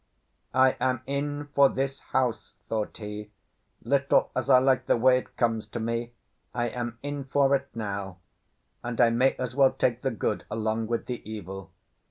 "I am in for this house," thought he. "Little as I like the way it comes to me, I am in for it now, and I may as well take the good along with the evil."